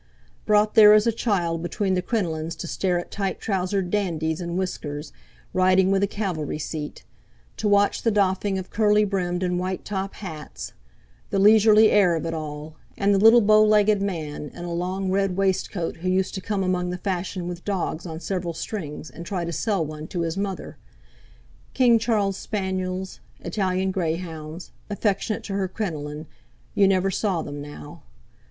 Brought there as a child between the crinolines to stare at tight trousered dandies in whiskers, riding with a cavalry seat; to watch the doffing of curly brimmed and white top hats; the leisurely air of it all, and the little bow legged man in a long red waistcoat who used to come among the fashion with dogs on several strings, and try to sell one to his mother: King Charles spaniels, Italian greyhounds, affectionate to her crinoline—you never saw them now.